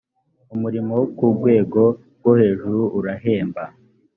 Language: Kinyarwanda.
umurimo wokurwego rwohejuru urahemba.